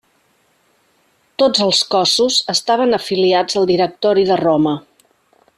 Tots els cossos estaven afiliats al directori de Roma.